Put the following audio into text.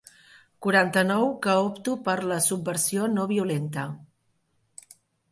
Quaranta-nou que opto per la subversió no violenta.